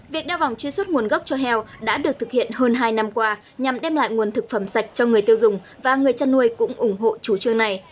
việc đeo vòng truy xuất nguồn gốc cho heo đã được thực hiện hơn hai năm qua nhằm đem lại nguồn thực phẩm sạch cho người tiêu dùng và người chăn nuôi cũng ủng hộ chủ trương này